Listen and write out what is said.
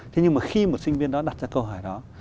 thế nhưng mà khi một sinh viên đó đặt ra câu hỏi đó